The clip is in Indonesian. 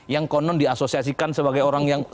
yang konon diasosiasikan sebagai orang yang